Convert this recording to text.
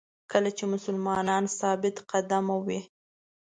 کله چې مسلمان ثابت قدمه وي.